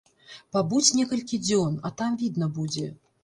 Пабудзь некалькі дзён, а там відна будзе.